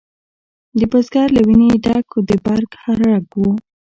د بزګر له ویني ډک د برګ هر رګ و